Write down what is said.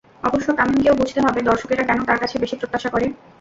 অবশ্য তামিমকেও বুঝতে হবে দর্শকেরা কেন তার কাছে বেশি প্রত্যাশা করে।